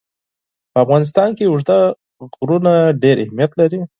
په افغانستان کې اوږده غرونه ډېر اهمیت لري.